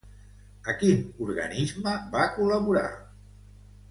A quin organisme va col·laborar?